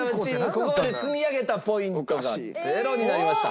ここまで積み上げたポイントが０になりました。